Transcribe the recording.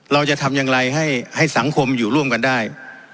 เราจะทำอย่างไรให้สังคมอยู่ร่วมกันได้